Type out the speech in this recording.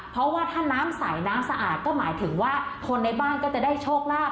เพราะว่าถ้าน้ำใสน้ำสะอาดก็หมายถึงว่าคนในบ้านก็จะได้โชคลาภ